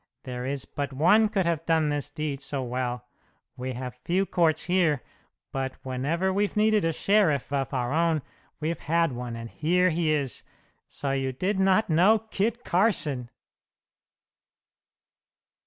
There is but one could have done this deed so well. We have few courts here, but whenever we've needed a sheriff of our own we've had one, and here he is. So you did not know Kit Carson!"